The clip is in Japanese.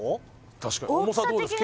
確かに重さどうですか？